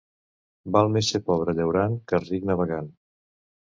Val més ser pobre llaurant que ric navegant.